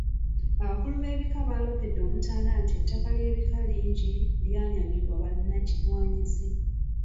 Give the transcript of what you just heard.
Abakulu b'ebika baaloopedde Omutanda nti ettaka ly'ebika lingi linyagiddwa bannakigwanyizi.